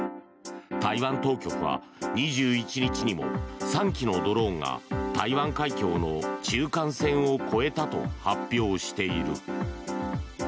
台湾当局は２１日にも３機のドローンが台湾海峡の中間線を越えたと発表している。